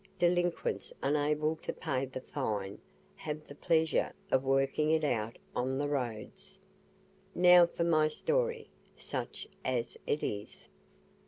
Delinquents unable to pay the fine, have the pleasure of working it out on the roads. Now for my story such as it is.